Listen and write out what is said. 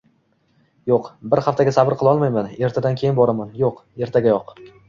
Yoʻq, bir haftagacha sabr qilolmayman… Ertadan keyin boraman… Yoʻq, ertagayoq!